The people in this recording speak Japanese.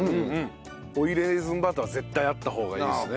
追いレーズンバター絶対あった方がいいですね。